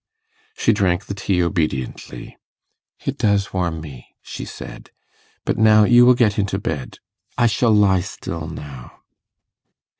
She drank the tea obediently. 'It does warm me,' she said. 'But now you will get into bed. I shall lie still now.